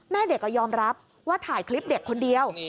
แม่เด็กยอมรับว่าถ่ายคลิปเด็กคนเดียว